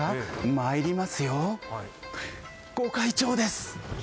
まいりますよ、御開帳です！